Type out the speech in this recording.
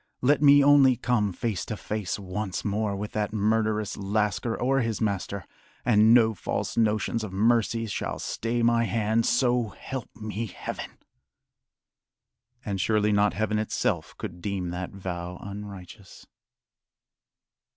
Let me only come face to face once more with that murderous lascar or his master, and no false notions of mercy shall stay my hand so help me Heaven!" And surely not Heaven itself could deem that vow unrighteous.